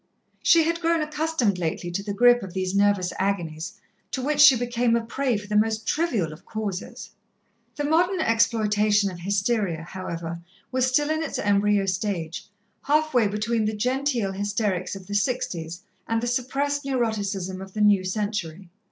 She had grown accustomed lately to the grip of these nervous agonies, to which she became a prey for the most trivial of causes. The modern exploitation of hysteria, however, was still in its embryo stage, half way between the genteel hysterics of the 'sixties and the suppressed neuroticism of the new century.